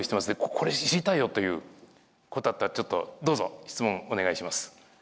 これ知りたいよということだったらちょっとどうぞ質問お願いします。